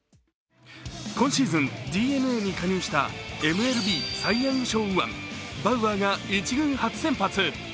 今シーズンＤｅＮＡに加入したＭＬＢサイ・ヤング賞右腕、バウアーが１軍初先発。